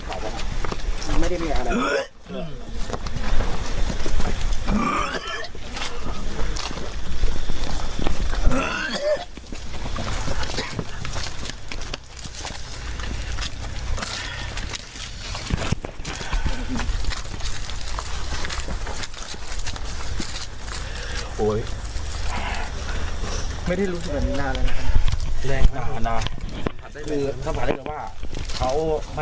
โอ้ยไม่ได้รู้ว่านานคะ